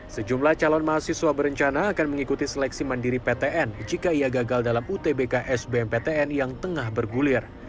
sejumlah calon mahasiswa berencana akan mengikuti seleksi mandiri ptn jika ia gagal dalam utbk sbmptn yang tengah bergulir